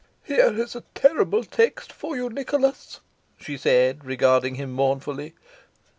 "Here is a terrible text for you, Nicholas," she said, regarding him, mournfully.